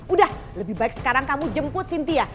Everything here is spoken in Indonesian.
udah lebih baik sekarang kamu jemput cynthia